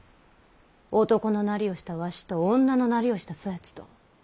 男のなりをしたわしと女のなりをしたそやつと！